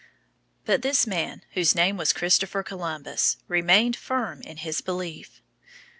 But this man, whose name was Christopher Columbus, remained firm in his belief.